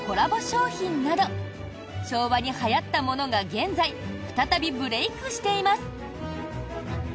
商品など昭和にはやったものが現在、再びブレークしています。